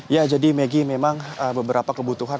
ya jadi megi memang beberapa kebutuhan